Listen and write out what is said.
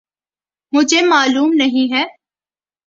مجھے معلوم نہیں ہے۔